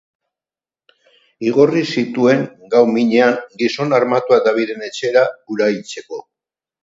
Igorri zituen, gau minean, gizon armatuak Daviden etxera, hura hiltzeko.